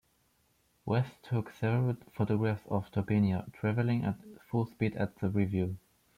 West took several photographs of "Turbinia" traveling at full speed at the Review.